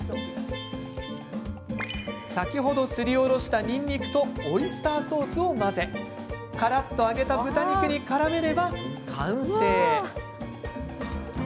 先ほどすりおろした、にんにくとオイスターソースを混ぜからっと揚げた豚肉にからめれば完成。